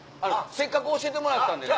せっかく教えてもらったんでね。